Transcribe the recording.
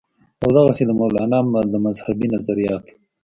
او دغسې د مولانا د مذهبي نظرياتو